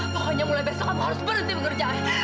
pokoknya mulai besok kamu harus berhenti bekerja